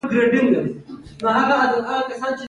خو بیا هم د نابرابرۍ په بحث کې تر ټولو ډېر کارول کېږي